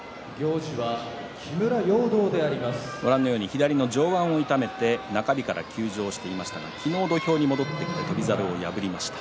左の上腕を痛めて中日から休場していましたが昨日、土俵に戻ってきて翔猿を破りました。